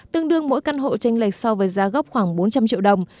tương đương mỗi căn hộ tranh lệch so với giá gốc khoảng bốn trăm linh triệu đồng